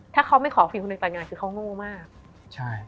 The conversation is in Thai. ถ้าเขาไม่ขอฟิงคุณในตายงานคือเขาโง่มาก